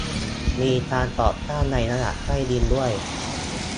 มีการก่อสร้างในระดับใต้ดินด้วย